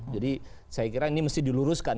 jadi saya kira ini mesti diluruskan